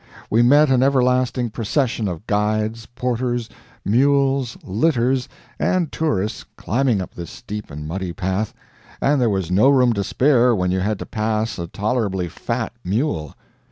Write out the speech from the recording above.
We met an everlasting procession of guides, porters, mules, litters, and tourists climbing up this steep and muddy path, and there was no room to spare when you had to pass a tolerably fat mule.